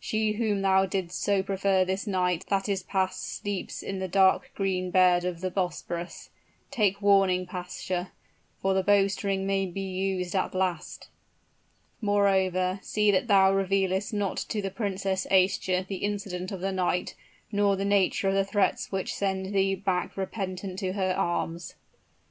She whom thou didst so prefer this night that is passed sleeps in the dark green bed of the Bosporus. Take warning, pasha; for the bowstring may be used at last. Moreover, see that thou revealest not to the Princess Aischa the incident of the night, nor the nature of the threats which send thee back repentant to her arms.'"